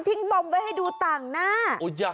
บอมไว้ให้ดูต่างหน้า